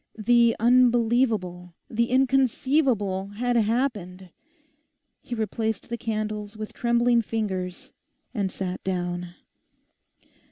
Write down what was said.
The unbelievable, the inconceivable, had happened. He replaced the candles with trembling fingers and sat down.